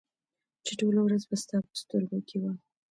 چې ټوله ورځ به ستا په سترګو کې وه